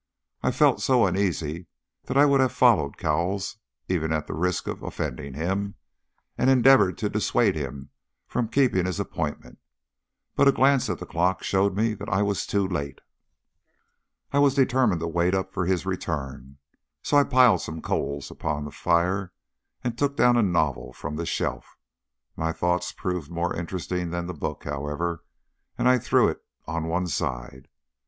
I felt so uneasy that I would have followed Cowles, even at the risk of offending him, and endeavoured to dissuade him from keeping his appointment, but a glance at the clock showed me that I was too late. I was determined to wait up for his return, so I piled some coals upon the fire and took down a novel from the shelf. My thoughts proved more interesting than the book, however, and I threw it on one side.